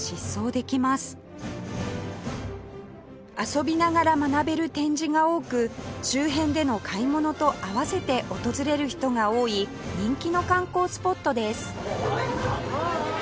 遊びながら学べる展示が多く周辺での買い物と併せて訪れる人が多い人気の観光スポットです